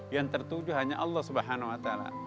yang tertuju hanya allah swt